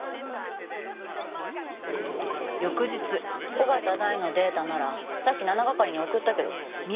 緒方大のデータならさっき７係に送ったけど。